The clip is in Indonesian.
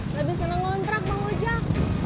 lebih seneng ngontrak bang ojak